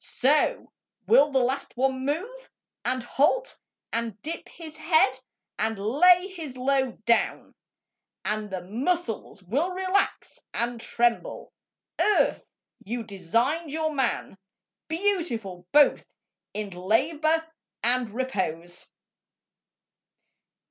So will the last one move, And halt, and dip his head, and lay his load Down, and the muscles will relax and tremble. .. Earth, you designed your man Beautiful both in labour, and repose.